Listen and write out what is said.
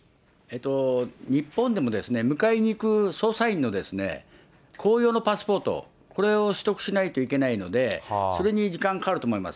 日本でも、迎えにいく捜査員の公用のパスポート、これを取得しないといけないので、それに時間がかかると思います。